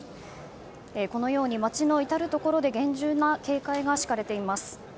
このように街の至るところで厳重な警戒が敷かれています。